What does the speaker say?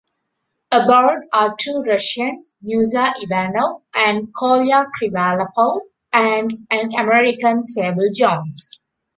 Aboard are two Russians, Musa Ivanov and Kolya Krivalapov, and an American, Sable Jones.